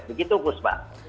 begitu gus pak